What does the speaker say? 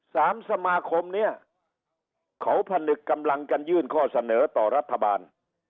สามสมาคมเนี่ยเขาผนึกกำลังกันยื่นข้อเสนอต่อรัฐบาล